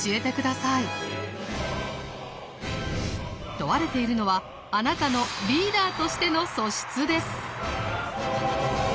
問われているのはあなたのリーダーとしての素質です。